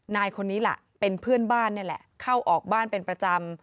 นายคนนี้ล่ะเป็นเพื่อนบ้านนี่แหละเข้าออกบ้านเป็นประจำ